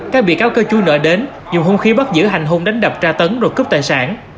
các bị cáo cơ chú nợ đến dùng hung khí bắt giữ hành hung đánh đập tra tấn rồi cướp tài sản